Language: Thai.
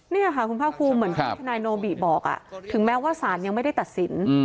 นี่ค่ะคุณพ่อครูเหมือนที่คุณคุณนายโนบิบอกถึงแม้ว่าศาลยังไม่ได้ตัดสิน